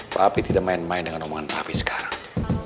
papi tidak main main dengan omongan papi sekarang